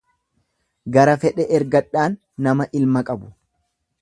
Gara fedhe ergadhaan nama ilma qabu.